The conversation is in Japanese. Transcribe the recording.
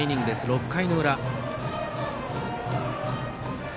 ６回の裏。